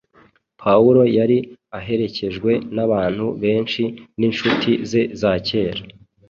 Pawulo yari aherekejwe n’abantu benshi b’incuti ze za kera.